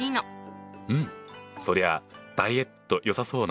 うんそりゃあダイエットよさそうな。